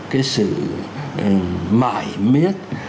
cái sự mải miết